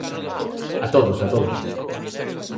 A todos, a todos.